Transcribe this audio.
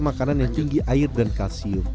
makanan yang tinggi air dan kalsium